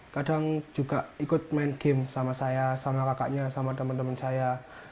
kadang juga ikut main game sama saya sama kakaknya sama teman teman saya